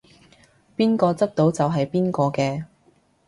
邊個執到就係邊個嘅